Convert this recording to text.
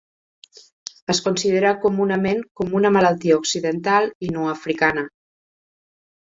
Es considera comunament com una malaltia occidental i no africana.